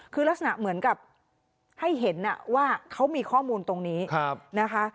คือลักษณะเหมือนกับให้เห็นว่าเขามีข้อมูลตรงนี้นะคะ